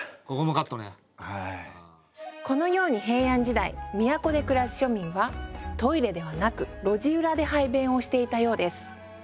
このように平安時代都で暮らす庶民はトイレではなく路地裏で排便をしていたようです。